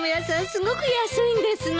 すごく安いんですのよ。